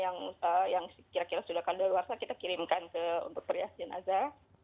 yang kira kira sudah kadaluarsa kita kirimkan ke untuk perias jenazah